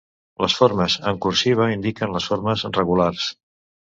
Les formes en cursiva indiquen les formes regulars.